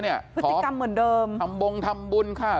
พฤติกรรมเหมือนเดิมทำบงทำบุญค่ะ